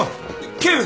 警部！